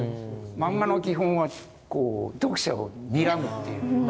マンガの基本はこう読者をにらむっていう。